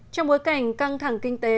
trong bối cảnh căng thẳng kinh tế